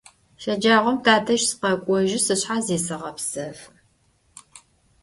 Şecağom tadej sıkhek'ojı, seşşxe, zıseğepsefı.